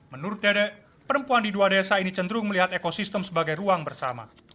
menurut dede perempuan di dua desa ini cenderung melihat ekosistem sebagai ruang bersama